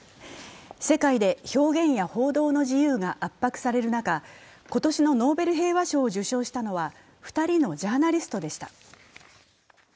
世界で表現や報道の自由が圧迫される中、今年のノーベル平和賞を受賞したのは２人のジャーナリストでした。